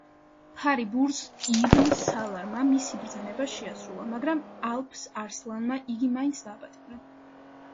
ფარიბურზ იბნ სალარმა მისი ბრძანება შეასრულა, მაგრამ ალფ-არსლანმა იგი მაინც დააპატიმრა.